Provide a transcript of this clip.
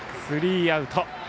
スリーアウト。